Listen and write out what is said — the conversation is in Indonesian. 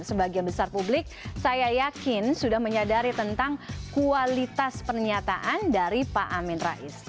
sebagian besar publik saya yakin sudah menyadari tentang kualitas pernyataan dari pak amin rais